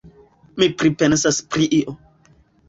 Mi pripensas pri io.